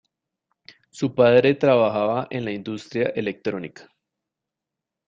Su padre trabajaba en la industria electrónica.